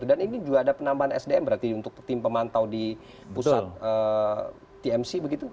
dan ini juga ada penambahan sdm berarti untuk tim pemantau di pusat tmc begitu